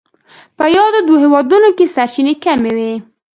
په یادو دوو هېوادونو کې سرچینې کمې وې.